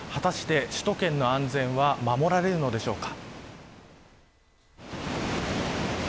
果たして首都圏の安全は守られるのでしょうか。